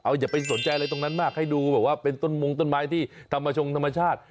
อย่าไปสนใจอะไรตรงนั้นมากให้ดูแบบว่าเป็นต้นมงต้นไม้ที่ธรรมชงธรรมชาติ